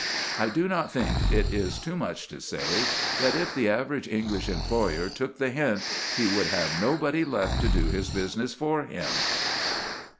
I do not think it is too much to say that, if the average English employer took the hint, he would have nobody left to do his business for him.